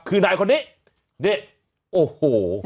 คือนายคนนี้นี่โอ้โห